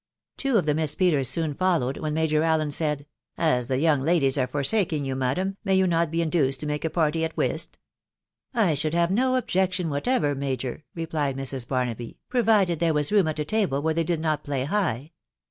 'Two of the Miss Peters soon followed, when Major Allen said, " As the young ladies are forsaking you, madam, may you not be induced to make a party at whist ?" "I should have no objection whatever, major," replied Mrs. Barnaby, S€ provided there was room at a table where they did not play high."